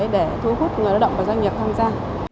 để thu hút người lao động và doanh nghiệp tham gia